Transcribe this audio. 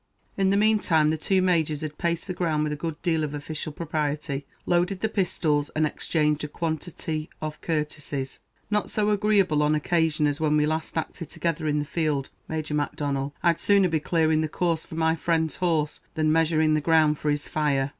In the meantime the two Majors had paced the ground with a good deal of official propriety, loaded the pistols, and exchanged a quantity of courtesies. "Not so agreeable an occasion as when we last acted together in the field, Major Macdonnel; I'd sooner be clearing the course for my friend's horse, than measuring the ground for his fire."